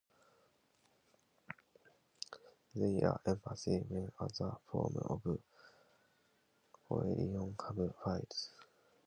They are employed when other forms of coercion have failed.